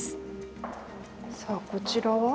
さあこちらは？